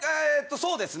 そうですね。